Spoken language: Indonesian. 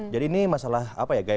jadi ini masalah apa ya